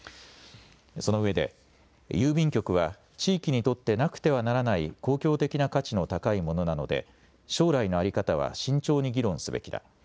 そのうえで郵便局は地域にとってなくてはならない公共的な価値の高いものなので将来の在り方は慎重に議論すべきだ。